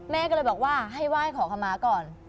แม่ก็เลยบอกว่าให้ไหว้ขอคำมาก่อน